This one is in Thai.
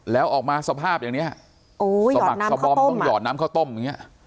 แล้วออกมาสภาพอย่างเนี้ยฮะโอ้หยอดน้ำข้าวต้มต้องหยอดน้ำข้าวต้มอย่างเงี้ย